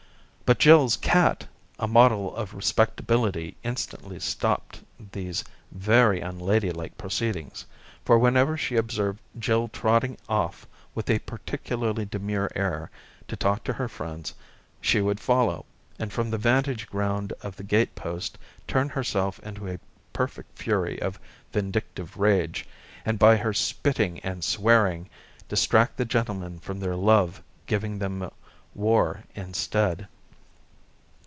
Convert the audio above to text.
But Jill's cat a model of respectability instantly stopped these very unladylike proceedings, for whenever she observed Jill trotting off with a particularly demure air to talk to her friends, she would follow, and from the vantage ground of the gate post turn herself into a perfect fury of vindictive rage, and by her spitting and swearing, distract the gentlemen from their love giving them war instead.